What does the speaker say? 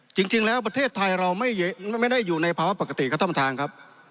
จริงแล้วประเทศไทยเราไม่ได้อยู่ในภาวะปกติครับท่านประธานครับ